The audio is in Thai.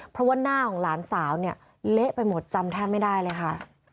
เพราะว่าหน้าของหลานสาวเนี่ยเละไปหมดจำแทบไม่ได้เลยค่ะ